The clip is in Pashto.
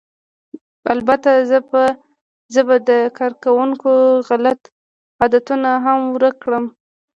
البته زه به د کارکوونکو غلط عادتونه هم ورک کړم